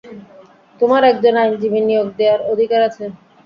তোমার একজন আইনজীবী নিয়োগ দেবার অধিকার আছে।